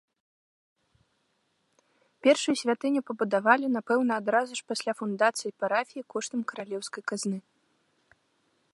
Першую святыню пабудавалі, напэўна, адразу ж пасля фундацыі парафіі коштам каралеўскай казны.